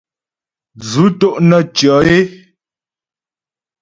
Dzʉ́ tó’ nə́ tʉɔ é.